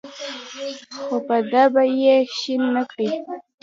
خو په ده به یې شین نکړې.